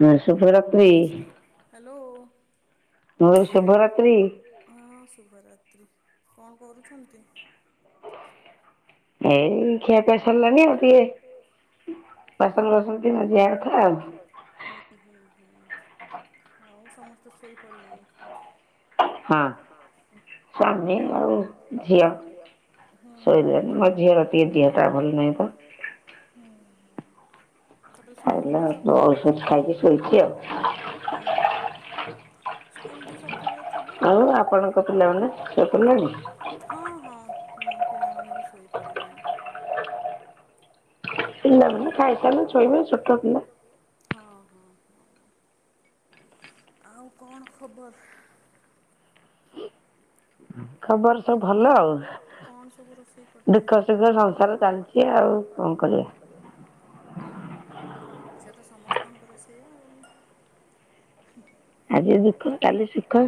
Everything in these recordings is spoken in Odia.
ନସପ ରଖି [unintelligible] ହ୍ୟାଲୋ। ହଁ ଶୁଭ ରାତ୍ରି। କଣ କରୁଛନ୍ତି? [unintelligible] ସମସ୍ତେ ଶୋଇ ପଡ଼ିଲେଣି? ହଁ ସ୍ବାମୀ ଆଉ ଝିଅ ଶୋଇଲେଣି ମୋ ଝିଅର ଦିହଟା ଭଲ ନାହିଁ ତ ତାପରେ ସ୍ଲୁଲ ବି ସକାଳୁଆ ତ ସ୍ଲୁଲ ବି ସକାଳୁଆ ସବୁ ହଁ ହଁ। ମୋ ପିଲାମାନେ ବି ଶୋଇପଡ଼ିଲେଣି। ପିଲାମାନେ ଖାଇ ଶାଇଲେ ଶୋଇବେ ଛୋଟ ପିଲା। ଆଉ କଣ ଖବର୍? କଣ ସବୁ ରୋଷେଇ କରିଥିଲେ? ସେ ତ ସମସ୍ତଙ୍କର ସେଇୟା ଆଉ। ଆଜି ଦୁଃଖ କାଲି ସୁଖ।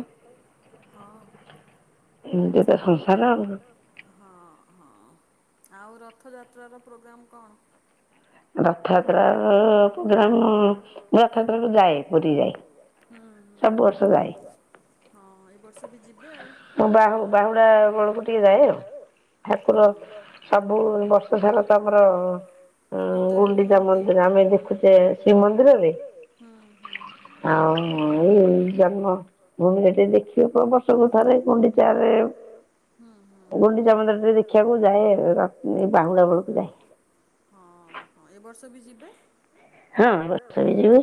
ଏମିତି ତ ସଂସାର ଆଉ। ଆଉ ରଥଯାତ୍ରାର ପ୍ରୋଗ୍ରାମ କଣ? ରଥଯାତ୍ରା ପ୍ରୋଗ୍ରାମ ରଥଯାତ୍ରାକୁ ଯାଏ ପୁରୀ ଯାଏ ସବୁ ବର୍ଷ ଯାଏ। ଏ ବର୍ଷ ବି ଯିବେ ଆଉ। ବାହୁଡା ବେଳକୁ ଟିକେ ଯାଏ ଆଉ ଠାକୁର ସବୁ ବର୍ଷ ସାରା ତ ଆମର ଗୁଣ୍ଡିଚା ମନ୍ଦିର ଆମେ ଦେଖୁଛେ। ଶ୍ରୀମନ୍ଦିରରେ ଆଉ ଏଇ ଜନ୍ମଭୂମିରେ ଟିକେ ଦେଖିବା। ସବୁ ଥରେ ଗୁଣ୍ଡିଚାରେ ହଁ ଏ ବର୍ଷ ବି ଯିବେ ହଁ ଏ ବର୍ଷ ବି ଯିବି,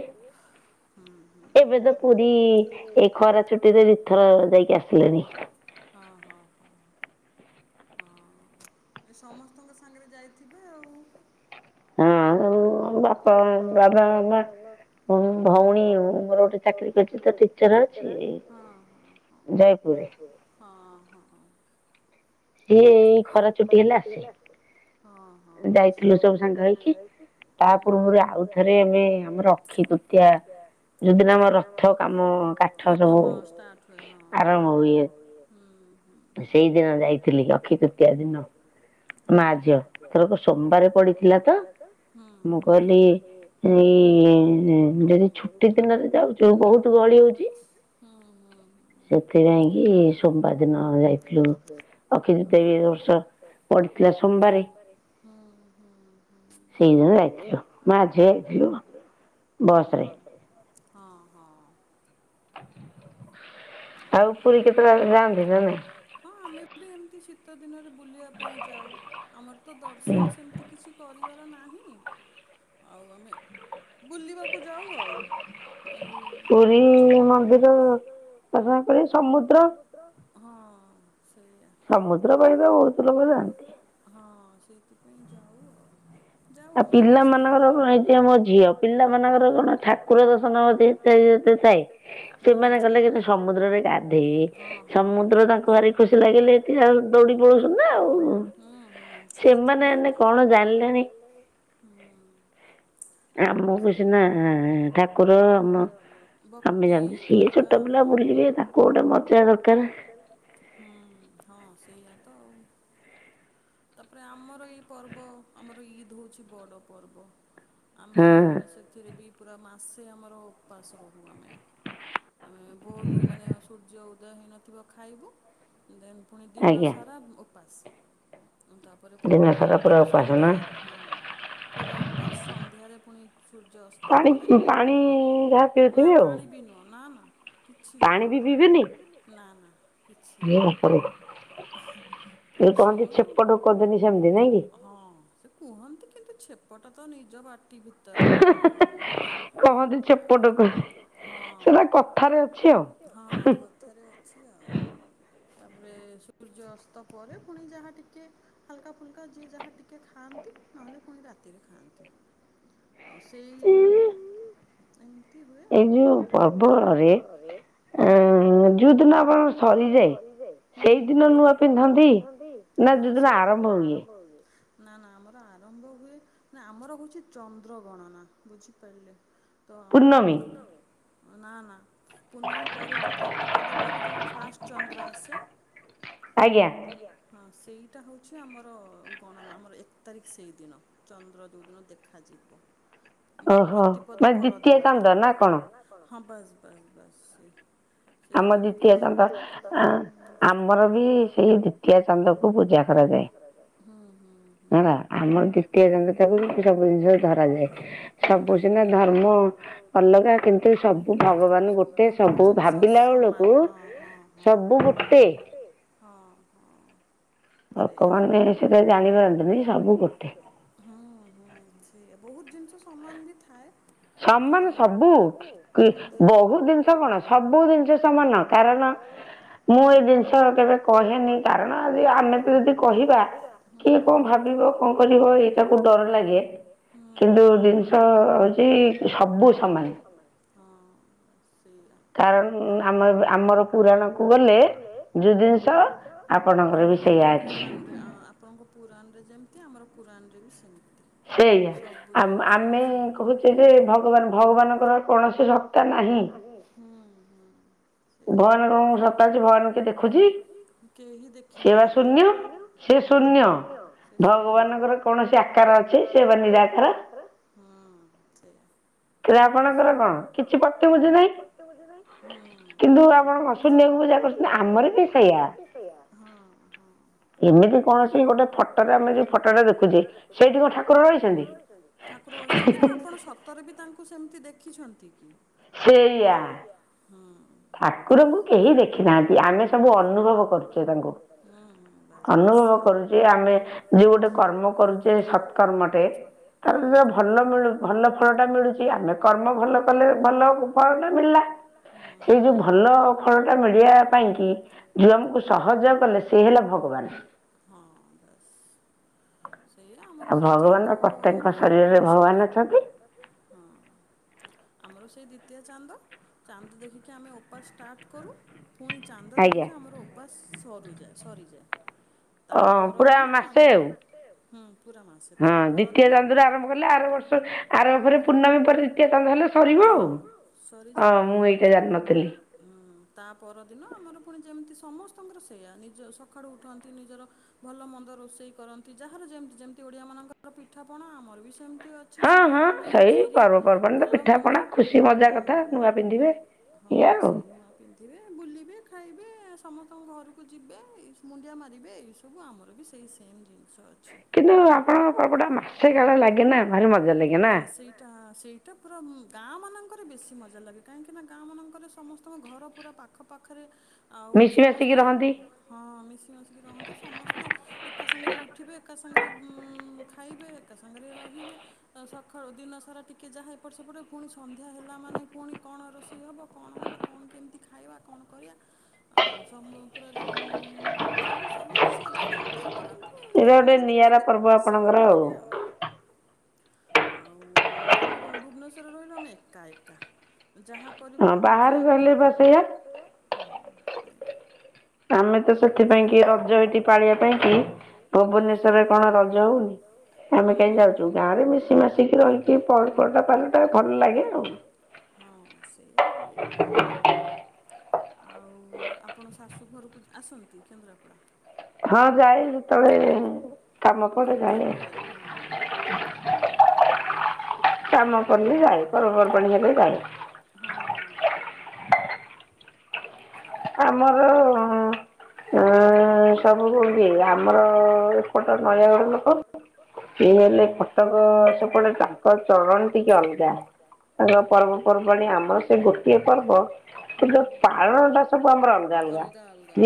ଏବେ ତ ପୁରୀ ଏଇ ଖରା ଛୁଟିରେ ଦିଥର ଯାଇକି ଆସିଲିଣିି। ଏ ସମସ୍ତଙ୍କ ସାଙ୍ଗରେ ଯାଇଥିବେ ଆଉ। ହଁ ସବୁ ବାପା, ବାବା, ମାମା, ଭଉଣୀ ମୋର ଗୋଟେ ଚାକିରରି କରିଛି ତ ଟିଚର ଅଛି ଜୟପୁରରେ। ସିଏ ଏଇ ଖରା ଚୁଟି ହେଲେ ଆସେ। ହଁ- ହଁ - ହଁ ଷ୍ଟାର୍ଟ ହୁଏ। ହୁଁ - ହୁଁ। ସୋମବାର। ଯାଇଥିଲୁ ଅକ୍ଷତୃତୀୟା ବି ଏବର୍ଷ ପଡିଥିଲା ସୋମବାରେ ସେଇଦିନ ଯାଇଥିଲୁ। ମା ଝିଅ ଯାଇଥିଲୁ ବସ୍ ରେ। ହଁ ହଁ। ଆଉ। [unintelligible] ଗତ ଦିନରେ ବୁଲିବା ପାଇଁ ଯାଉ। ଆମର ତ ଦର୍ଶନ ସେମିତି କିଛି କରି [unintelligible] ନାହିଁ ଆଉ ଆମେ ବୁଲିବାକୁ ଯାଉ ଆଉ ଏଇ ସ [unintelligible] ହଁ। ହଁ ସେଇଆ ହଁ। ସେଥିପାଇଁ ଯାଉ ଆଉ ଯାଉ ଆମେବର୍ଷେ ଦିବର୍ଷ, ହୁଁ ନା। ସମୁଦ୍ର ତାଙ୍କୁ ଭାରି ଖୁସି ଲାଗିଲେ ଏଠି ଆଉ ଦୌଡି ପଳଉଛନ୍ତି ଆଉ, ସେମାନେ ଏଇନେ କଣ ଜାଣିଲେଣି? ହୁଁ। ଭକ୍ତି କରିବା ହଁ- ହୁଁ -ହଁ ସେୟା ତ ତ ଆଉ ତାପରେ ଆମର ଏଇ ପର୍ବ, ଆମର ଇଦ୍ ହଉଛି ବଡ଼ ପର୍ବ। ହଁ। ପୁରା ମାସେ ଆମର ଉପାସ ରହୁ। ଆମେ ଆମେ ଭୋରରୁ ମାନେ ସୂର୍ଯ୍ୟ ଉଦୟ ହୋଇନଥିବ ଖାଇବୁ। ଦେନ୍ ପୁଣି ଦିନ ସାରା ଉ ବାସ୍ ତାପରେ ପୁଣି ରାତିରେ ସନ୍ଧ୍ୟାରେ ହଁ ପୁରା ଉପାସ ସନ୍ଧ୍ୟାରେ ସୂର୍ଯ୍ୟ ଅସ୍ତ ପରେ ନା ପାଣି ବି ନୁହଁ ନା ନା। କିଛି ନୁହଁ ନା ନା କିଛି ନୁହଁ କିଛି ନୁହଁ ହଁ ସେ କୁହନ୍ତି କିନ୍ତୁ ଛେପଟା ତ ନିଜ ପାଟିକୁ ଆଉ ହଁ ହଁ କଥାରେ ଅଛି ଆଉ ତାପରେ ସୂର୍ଯ୍ୟ ଅସ୍ତ ପରେ ପୁଣି ଯାହା ଟିକେ ହାଲକା ଫୁଲକା ଯିଏ ଯାହା ଖାଅନ୍ତୁ ନ ହେଲେ ପୁଣି ରାତିକୁ ଆଉ ସେଇ [inaudible] ଏଇ ଯୋଉ ପର୍ବରେ ଉ ଯୋଉ ଦିନ ଆପଣ ସରିଯାଏ ସେଇଦିନ ନୂଆ ପିନ୍ଧନ୍ତି ନା ଯୋଉ ଦିନ ଆରମ୍ଭ ହୁଏ? ନା ନା ଆମର ଆରମ୍ଭ ହୁଏ ନା ଆମର ହଉଛି ଚ ରଦ୍ର ଗଣନା ବୁଝିପାରିଲେ ତ ଆମର ଯଉ ନା ନା ପୂର୍ଣ୍ଣମୀ ପରେ ଯୋଉ ପ୍ରତିପଦ ପରେ ଯୋଉ ଫାଷ୍ଟ ଚନ୍ଦ୍ର ଆସେ ଆଜ୍ଞା ହଁ ସେଇଟା ହେଉଛି ଆମର ଗଣନା ଆମର ଏକ ତାରିଖ ସେଇଦିନ ଚନ୍ଦ୍ର ଯେଉ ଦିନ ଦେଖାଯିବ। ମାନେ ପ୍ରତିପଦ ପରଦିନ ଟା କ ହଁ ବସ୍ ବସ୍ ବସ୍ ଆମ ଦ୍ଵିତୀୟ ଚାନ୍ଦ ତ ଆମର ବି ସେଇ ଦ୍ଵିତୀୟ ଚାନ୍ଦ କୁ ପୂଜା କରାଯାଏ ହେଲା ଆମର ଦ୍ଵିତୀୟ ଚାନ୍ଦ ଟାକୁ ସବୁ ଜିନିଷ ଧରାଯାଏ ସବୁ ସିନା ଧର୍ମ ଅଲଗା କିନ୍ତୁ ସବୁ ଭଗବାନ ଗୋଟେ ସବୁ ଭାବ ସମାନ ହଁ ହଁ ହଁ ସେ ଭ ଜଣିିବନ [unintelligible] ବହୁତ ଜିନିଷ ସମାନ ବି ଥାଏ। ସମାନ ସବୁ ବହୁତ ଜିନିଷ କଣ ସବୁ ଜିନିଷ ସମାନ କାରଣ ମୁଁ ଏଇ ଜିନିଷ କେବେ କେ କହେନି କାରଣ ଆମେ ବି ଯଦି କହିବା କଣ ଭାବିବ କଣ କର ଏଇଟାକୁ ଡରଲାଗକିନ୍ତୁ ଜିନସ ଏଇ ସବୁ ସମାନ କାରଣ ଆମ ଆମର ପୁରାଣ କୁ ଗଲେ ହୁଁୁରାରେ ଆପଣଙ୍କ ପୁରାଣରେ ଯେମତି ଆମର ପୁରାଣରେ ବି ସେମିତି ସେଇା ଆ ଆମେ କହୁଛେ ଯେ ଭଗବାନ ଭଗବାନଙ୍କର କୌଣସି ଶକ୍ତା ନାହିଁ ଭଗବାନ କ ସତାଛି ଭଗାନ କେ ଦେଖୁ କେ ଦେଖହାନ୍ତି ଶୂ ସେ ଶୂ ଭଗବାନଙ୍କର କୌଣସି ଆକାର ଅଛି ସେବା ନିରାକ କି ଆପଣଙ୍କର କଣ କିଛି ପତ୍ ପୂଜା ନାହିଁ କିନ୍ତୁ ଆପଣ ଶନ୍ୟଆକୁ ପୂଜା କରୁଛନ୍ତି ଆମର ଆମର କି ସେଇଆ ଏମିତି କୌଣସି ଗୋଟେ ଫଟ ଆମେ ଯୋ ଫଟ ଦେଖୁଛ ଠାର ର ଠାକୁର ଆସୁଛନ୍ତି ନା ଆପଣ ସତରେ ବି ତାଙ୍କୁ ସେମିତି ଦେଖିଛନ୍ତି କି? ସେଇୟ ଠାକୁରଙ୍କୁ କେହି ଦେଖିନାହାନ୍ତି ଆମେ ସବୁ ଅନୁଭବ କରୁଛେ ତାଙ୍କୁ ଅନୁଭବ କରୁଛେ ଆମେ ଯୋଉ ଗୋଟେ କର୍ମ କରୁଛେ ସତ୍କର୍ମଟେ ତାର ଭଲ ମିଳ ଭଲ ଫଳ ଟା ମିଳୁଛି ଆମେ କର୍ମ ଭଲ କଲେ ଭଲ ଫଳଟା ମିଳିଲା ଭଲ ଫଳଟା ମିଡ଼ିଆ ପାଇଁ କିି ଝିଅଙ୍କୁ ସହଜଗ କଲେ ସେ ହେଲା ଭଗବାନ। ସେଇ ଆମର ସେଇ ଚାନ୍ଦର ଫାଷ୍ଟ ଆମର ସେଇ ମୁଖ୍ୟ ଚାନ୍ଦ ଚାନ୍ଦ ଦେଖିକି ଆମେ ଉପା ଷ୍ଟାର୍ଟ କରୁ ପୁଣି ଦେଖିକି ଆମର ଉପାସ ସରୁ ଯାଏ ସରି ଯା। ତା ପରଦିନ ଆମେଁ ପୁରା ମାସେ ତା ପରଦିନ ହଁ ସରିଯାଏ ତା ପର ଦିନ ଆମର ତି ସମସ୍ତଙ୍କର ସେୟା ନିଜ ସକାଳୁ ଉଠନ୍ତି ନିଜର ଭଲ ମନ୍ଦ ରୋଷେଇ କରନ୍ତି ଯାହାର ଯେମତି ଯେମିତି ଓଡିଆ ମାନଙ୍କର ପିଠାପଣା ଆମର ବି ସେମତି। ସିମେଇ ଫିମେଇ ଖିରି ଭଲ ମନ୍ଦ ହ ହ ହଁ ସେ ନୂଆ ପିନ୍ଧିବେ ବୁଲିବେ। ଖାଇବେ ସମସ୍ତଙ୍କ ଘରକୁ ଯିବେ ମୁଣ୍ଡିଆ ମାରିବେ ଏଇସବୁ ଆମର ବି ସେଇ ସେମ୍ ଜିନି ହଁ ସେଇଟା ସେଇଟା ପୁରା ମ ଗାଁମାନାନଙ୍କରେ ବେଶୀ ମଜା ଲାଗେ କାହିଁକିନା ଗାଁମାନଙ୍କରେ ସମସ୍ତଙ୍କ ଘର ପୁରା ପାଖପାଖରେ। ଆଉ ସମସ୍ତେ ହଁ ମିଶିକି ମଶିକି ରହନ୍ତି ସମସ୍ତେ ଏକା ସାଙ୍ଗରେ ଉଠିବେ ଏକା ସାଙ୍ଗରେ ଖାଇବେ ଏକା ସାଙ୍ଗରେ ରହିବେ ସକାଳୁ ଦିନ ସାରା ଟିକିଏ ଯାହା ଏପଟେ ସେପଟେ ପୁଣି ସନ୍ଧ୍ୟା ହେଲା ମାନେ ପୁଣି କଣ ରୋଷେଇ ହେବ କଣହେବ କଣ କେମିତି ଖାଇବା କଣ କରିବା ଆଉ ସବୁପୁରା ରିଏମ ସବୁ ସବୁ ସଜାଡନ୍ତି ଇଏ କରନ୍ତି। ଏଇଟା ଗୋଟେ ନିଆରା ପର୍ବ ଆପଣଙ୍କର ଆଉ। ଆଉ ଆମେ କଣ ଭୁବନେଶ୍ଵରରେ ରହିଲୁ ଆମେ ଏକା ଏକା। ଯାହା କରିବୁ ନିଜେ ଏକା। ଆମେ ତ ସେଥିପାଇଁ କି ରଜ ଏଇଠି ପାଳିବା ପାଇଁ କି ଭୁବନେଶରରେ କଣ ରଜ ହଉନି ଆମେ କାହିଁ ଯାଉଛୁ ଗାଁରେ ମିଶି ମାଶିକି ରହିକି ଫୋଟ ପାଲଟା ଭଲ ଲାଗେ ଆଉ। ଆଉ ଆପଣ ଶାଶୁ ଘରକୁ ଆସନ୍ତି କେନ୍ଦ୍ରାପଡ଼ା। ହଁ ଯାଇ ଯେତେବେଳେ କାମ ପଡେ ଯାଏ କାମ ପଡିଲେ ଯାଏ ପର୍ବପର୍ବାଣୀ ହେଲେ ଯାଏ। ଆମର ଆଁ ସବୁ କିଏ ଆମର ଏପଟ ନୟାଗଡ ଲୋକ ଇଏ ହେଲେ କଟକ ସେପଟେ ତାଙ୍କ ଚଳଣି ଟିକେ ଅଲ ସବୁ ଆମର ଅଲଗା ଅଲଗା।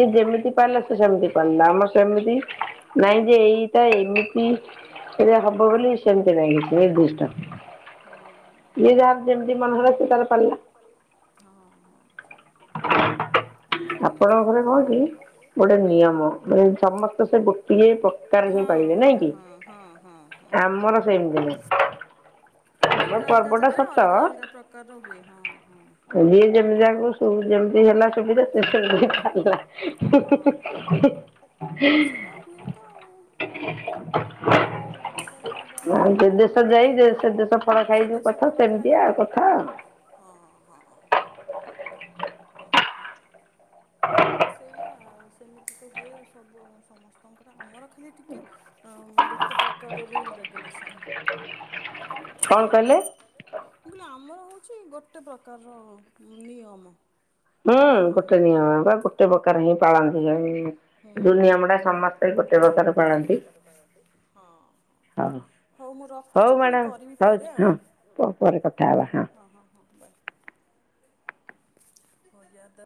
[unintelligible] ଆପଣଙ୍କ ଘରେ କଣ? ଗୋଟେ ନିୟମ ମାନେ ସମସ୍ତେ ସେ ଗୋଟିଏ ପକାର ହିଁ ପାଇିବେ ନାଇଁ କି ଆମର ସେମିତି ନାଇ ଆମ ପର୍ବଟା ସତ ଯିଏ ଯେମିତି ଯାକ ଯେମିତି ହେଲା। [unintelligible] ହଁ ହଁ ହଁ ସେଇୟା ହୁଏ ତ ଆଉ ଅଲଗା ଅଲଗା ଜାଗାରେ ଅଲଗା ଅଲଗା ପ୍ରକାରର ହୁଏ ସେ ଦେଶ ଫଳ ଖାଇ ଆଉ ହଁ ହଁ ହଁ। ସେଇଆ ସେମିତି ତ ହୁଏ ସବୁ ସମସ୍ତଙ୍କର ଆମର ଖାଲି ଟିକେ ଗୋଟେ ପ୍ରକାର ରୁଲ ରେଗୁଲେସନ। କଣ କହିଲେ? ହଉଛି ଗୋଟେ ପ୍ରକାରର ନିୟମ। ହୁଁ ଗୋଟେ ନିୟମ। ଗୋଟେ ପ୍ରକାର ହିଁ ପାଳନ୍ତି ଯୋ ନିୟମ ଟା ସମସ୍ତେ ହ ଗୋଟେ ପ୍ରକାର ପାଳନ୍ତି ହଉ ହଉ ମ୍ୟାଡାମ ରହୁଛି ହଁ ପରେ କଥା ହବା ହଁ। ହ ୟା